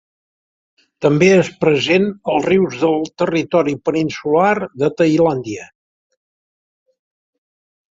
També és present als rius del territori peninsular de Tailàndia.